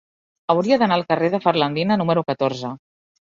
Hauria d'anar al carrer de Ferlandina número catorze.